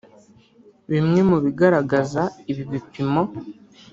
Bimwe mu bigaragaza ibi bipimo